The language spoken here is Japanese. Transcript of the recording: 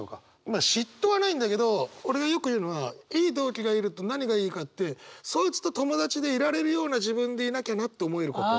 まあ嫉妬はないんだけど俺がよく言うのはいい同期がいると何がいいかってそいつと友達でいられるような自分でいなきゃなって思えることというか。